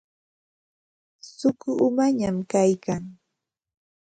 Suqu umañaq kaykanki.